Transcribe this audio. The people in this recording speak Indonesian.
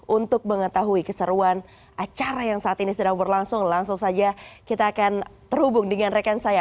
untuk mengetahui keseruan acara yang saat ini sedang berlangsung langsung saja kita akan terhubung dengan rekan saya